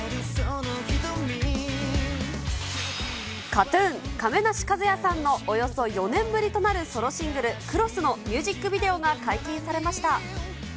ＫＡＴーＴＵＮ・亀梨和也さんのおよそ４年ぶりとなるソロシングル、Ｃｒｏｓｓのミュージックビデオが解禁されました。